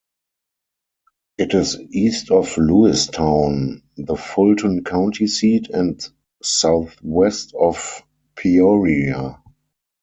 It is east of Lewistown, the Fulton County seat, and southwest of Peoria.